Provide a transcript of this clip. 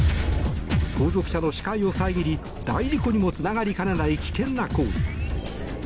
後続車の視界を遮り大事故にもつながりかねない危険な行為。